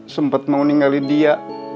sempet mau ninggalin dia